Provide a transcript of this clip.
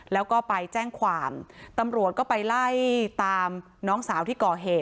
แล้วก็ไปแจ้งความตำรวจก็ไปไล่ตามน้องสาวที่ก่อเหตุ